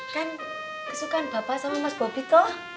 kan kesukaan bapak sama mas bobi toh